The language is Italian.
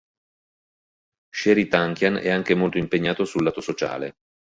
Serj Tankian è anche molto impegnato sul lato sociale.